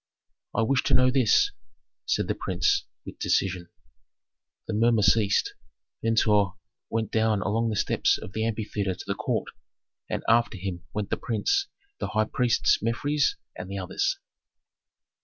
"I wish to know this," said the prince, with decision. The murmur ceased. Pentuer went down along the steps of the amphitheatre to the court, and after him went the prince, the high priests, Mefres and the others.